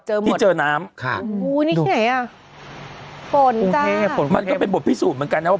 ที่เจอน้ำค่ะโอ้โหนี่ที่ไหนอ่ะฝนจ้ฝนมันก็เป็นบทพิสูจน์เหมือนกันนะว่า